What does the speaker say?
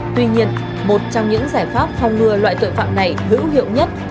tuy nhiên một trong những giải pháp phòng ngừa loại tội phạm này hữu hiệu nhất